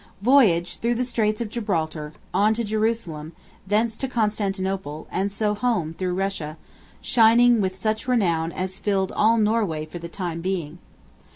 Voyage through the Straits of Gibraltar, on to Jerusalem, thence to Constantinople; and so home through Russia, shining with such renown as filled all Norway for the time being.